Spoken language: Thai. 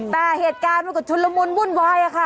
แต่เหตุการณ์มันก็ชุนละมุนวุ่นวายค่ะ